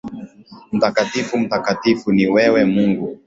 Mtakatifu mtakatifu, ni wewe Mungu